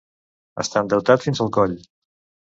Estar endeutat fins al coll.